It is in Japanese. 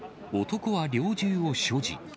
男は猟銃を所持。